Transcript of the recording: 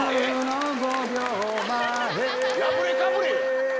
破れかぶれやん。